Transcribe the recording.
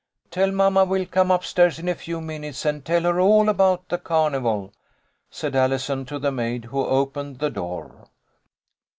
" Tell mamma we'll come up stairs in a few minutes and tell her all about the carnival," said Allison to the maid who opened the door.